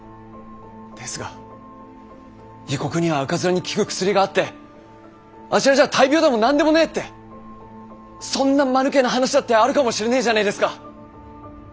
ですが異国には赤面に効く薬があってあちらじゃあ大病でも何でもねぇってそんなまぬけな話だってあるかもしれねえじゃあねえですか。